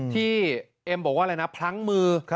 เอ็มบอกว่าอะไรนะพลั้งมือ